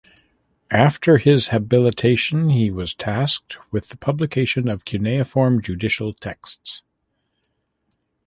After his habilitation he was tasked with the publication of cuneiform judicial texts.